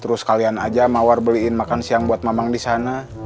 terus kalian aja mawar beliin makan siang buat mamang di sana